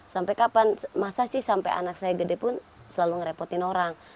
sampai kapan masa sih sampai anak saya gede pun selalu ngerepotin orang